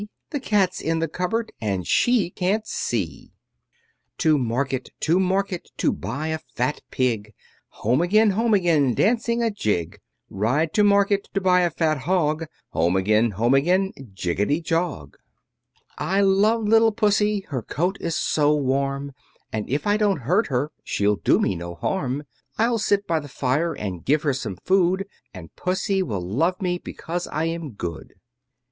The cat's in the cupboard, And she can't see. To market, to market, to buy a fat pig, Home again, home again, dancing a jig: Ride to market to buy a fat hog, Home again, home again, jiggety jog. I love little Pussy, her coat is so warm, And if I don't hurt her, she'll do me no harm. I'll sit by the fire, and give her some food, And Pussy will love me, because I am good.